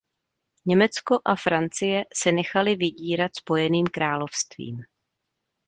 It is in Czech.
Německo a Francie se nechaly vydírat Spojeným královstvím.